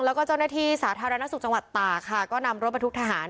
แล้วก็เจ้าหน้าที่สาธารณสุขจังหวัดตากค่ะก็นำรถบรรทุกทหาร